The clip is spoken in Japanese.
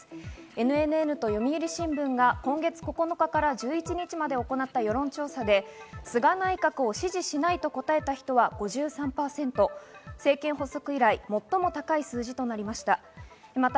ＮＮＮと読売新聞が今月９日から１１日まで行った世論調査で、菅内閣を支持しないと答えた人は５３％、政権発足以来、最も高い数字となりました。